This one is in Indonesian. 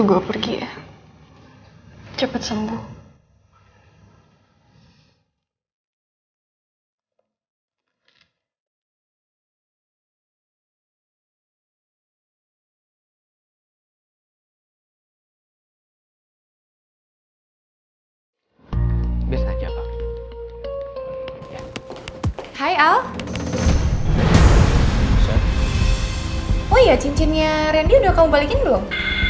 oh iya cincinnya randy udah kamu balikin belum